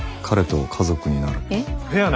彼と家族になるのは。